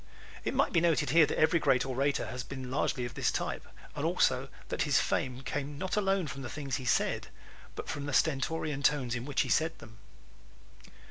It might be noted here that every great orator has been largely of this type, and also that his fame came not alone from the things he said but from the stentorian tones in which he said them.